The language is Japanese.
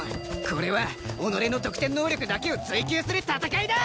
これは己の得点能力だけを追求する戦いだ！